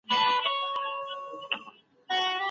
ځينو ځايونو کې اصلي کتابونه بدل شوي وو.